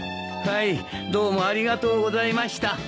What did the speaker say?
はいどうもありがとうございました。